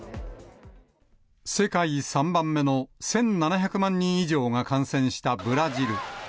世界３番目の１７００万人以上が感染したブラジル。